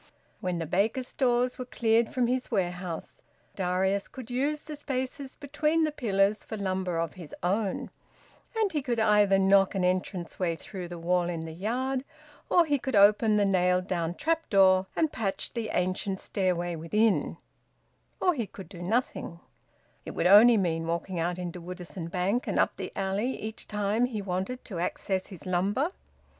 When the baker's stores were cleared from his warehouse, Darius could use the spaces between the pillars for lumber of his own; and he could either knock an entrance way through the wall in the yard, or he could open the nailed down trap door and patch the ancient stairway within; or he could do nothing it would only mean walking out into Woodisun Bank and up the alley each time he wanted access to his lumber!